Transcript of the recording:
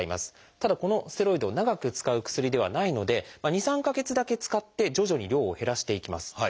ただこのステロイド長く使う薬ではないので２３か月だけ使って徐々に量を減らしていきます。